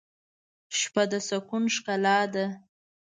شپه د سکون ښکلا ده.